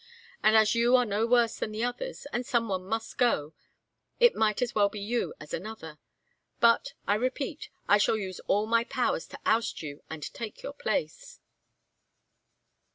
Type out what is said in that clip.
And as you are no worse than the others, and some one must go, it might as well be you as another. But, I repeat, I shall use all my powers to oust you and take your place."